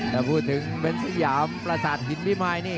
แต่พูดถึงเบนสยามประสาทหินพิมายนี่